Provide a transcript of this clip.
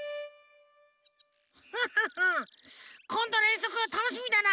ハハハこんどのえんそくたのしみだな。